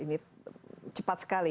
karena ini cepat sekali